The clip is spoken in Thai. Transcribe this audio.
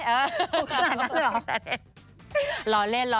เออรู้คือนั้นหรอ